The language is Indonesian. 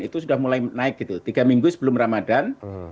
itu sudah mulai naik gitu tiga minggu sebelum ramadan